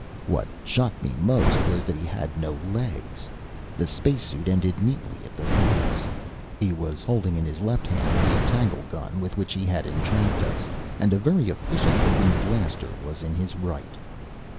What shocked me most was that he had no legs. The spacesuit ended neatly at the thighs. He was holding in his left hand the tanglegun with which he had entrapped us, and a very efficient looking blaster was in his right.